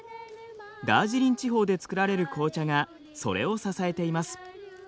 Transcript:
ダージリン地方で作られる紅茶がそれを支えています。